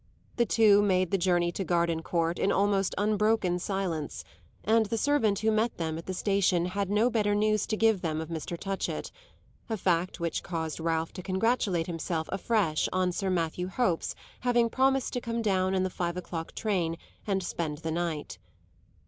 The two made the journey to Gardencourt in almost unbroken silence, and the servant who met them at the station had no better news to give them of Mr. Touchett a fact which caused Ralph to congratulate himself afresh on Sir Matthew Hope's having promised to come down in the five o'clock train and spend the night.